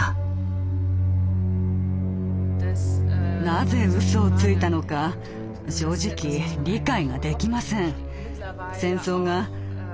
なぜうそをついたのか正直理解ができません。